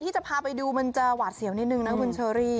ที่จะพาไปดูวาดเสียวนิดนึงนะคุณเชอร์รี